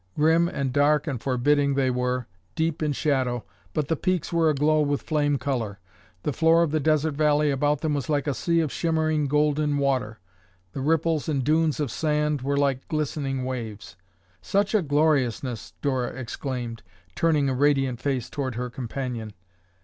Grim and dark and forbidding they were, deep in shadow, but the peaks were aglow with flame color. The floor of the desert valley about them was like a sea of shimmering golden water; the ripples and dunes of sand were like glistening waves. "Such a gloriousness!" Dora exclaimed, turning a radiant face toward her companion.